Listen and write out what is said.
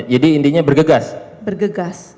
jadi intinya bergegas bergegas